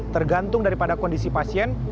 tergantung daripada kondisi pasiennya